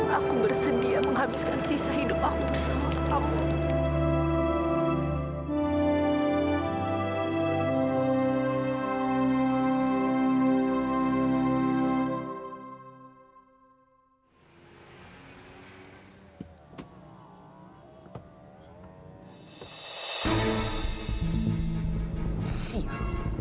aku bersedia menghabiskan sisa hidup aku bersama kamu